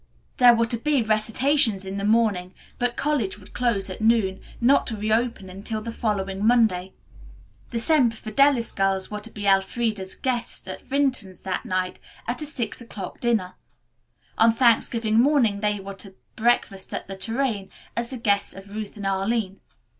There were to be recitations in the morning, but college would close at noon, not to reopen until the following Monday. The Semper Fidelis girls were to be Elfreda's guests at Vinton's that night at a six o'clock dinner. On Thanksgiving morning they were to breakfast at the Tourraine as the guests of Ruth and Arline.